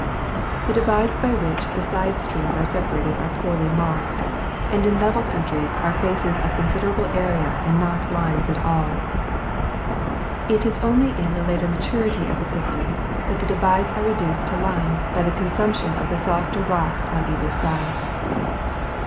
The divides by which the side streams are separated are poorly marked, and in level countries are sur faces of considerable area and not lines at all. It is only in the later maturity of a system that the divides are reduced to lines by the consumption of the softer rocks on either side.